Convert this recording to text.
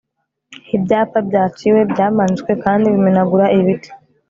Ibyapa byaciwebyamanitswe kandi bimenagura ibiti